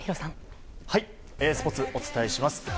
スポーツ、お伝えします。